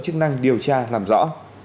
chức năng điều tra làm rõ